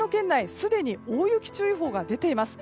すでに大雪注意報が出ています。